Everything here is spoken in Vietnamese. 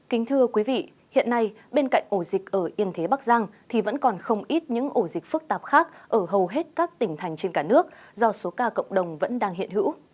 kính thưa quý vị hiện nay bên cạnh ổ dịch ở yên thế bắc giang thì vẫn còn không ít những ổ dịch phức tạp khác ở hầu hết các tỉnh thành trên cả nước do số ca cộng đồng vẫn đang hiện hữu